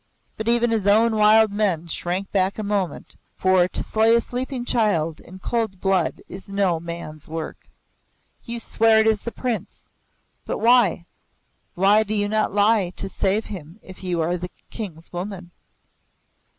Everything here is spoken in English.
But even his own wild men shrank back a moment, for to slay a sleeping child in cold blood is no man's work. "You swear it is the Prince. But why? Why do you not lie to save him if you are the King's woman?"